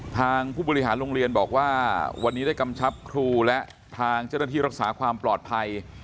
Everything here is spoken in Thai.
ทางผู้บริหารโรงเรียนบอกว่าวันนี้ได้กำชับครูและทางเจ้าหน้าที่รักษาความปลอดภัย